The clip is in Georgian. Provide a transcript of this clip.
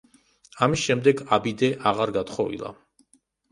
ამის შემდეგ აბიდე აღარ გათხოვილა.